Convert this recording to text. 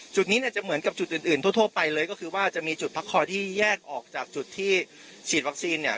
จุดนี้เนี่ยจะเหมือนกับจุดอื่นทั่วไปเลยก็คือว่าจะมีจุดพักคอยที่แยกออกจากจุดที่ฉีดวัคซีนเนี่ย